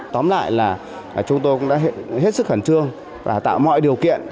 tóm lại là chúng tôi cũng đã hết sức khẩn trương và tạo mọi điều kiện